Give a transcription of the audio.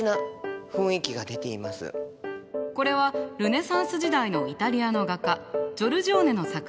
これはルネサンス時代のイタリアの画家ジョルジョーネの作品。